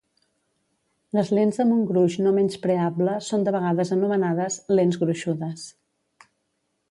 Les lents amb un gruix no menyspreable són de vegades anomenades "lents gruixudes".